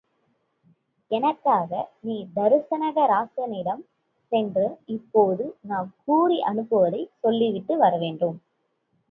எனக்காக நீ தருசகராசனிடம் சென்று இப்போது நான் கூறியனுப்புவதைச் சொல்லிவிட்டு வர வேண்டும்!